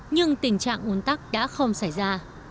nhưng tình trạng ủn tắc đã không xảy ra